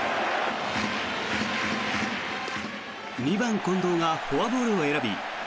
２番、近藤がフォアボールを選び